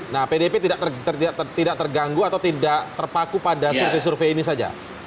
nah pdip tidak terganggu atau tidak terpaku pada survei survei ini saja